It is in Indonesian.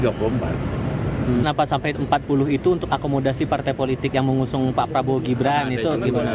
kenapa sampai empat puluh itu untuk akomodasi partai politik yang mengusung pak prabowo gibran itu gimana